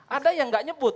ada yang gak nyebut